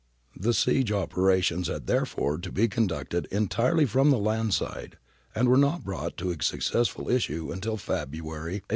The siege operations had therefore to be conducted entirely from the land side, and were not brought to a successful issue until February, 1861.